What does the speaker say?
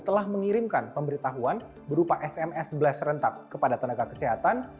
telah mengirimkan pemberitahuan berupa sms blast rentak kepada tenaga kesehatan